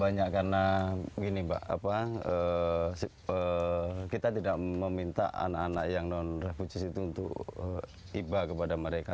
banyak karena gini mbak kita tidak meminta anak anak yang non refuches itu untuk tiba kepada mereka